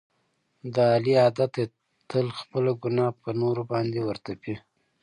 د علي عادت دی تل خپله ګناه په نورو باندې ور تپي.